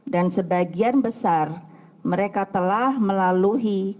dan sebagian besar mereka telah melalui